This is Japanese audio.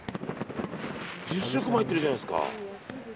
１０食も入ってるじゃないですか。